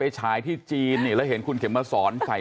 อาจจะต้องเป็นรุ่นคุณแม่